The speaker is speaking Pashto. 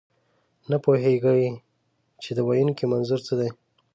نه پوهېږئ، چې د ویونکي منظور څه دی.